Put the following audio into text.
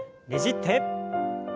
ねじって。